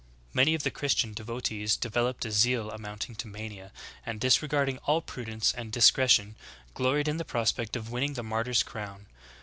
3. Many of the Christian devotees developed a zeal amounting to mania, and, disregarding all prudence and dis cretion, gloried in the prospect of winning the martyr's crown.